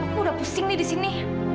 aku udah pusing nih disini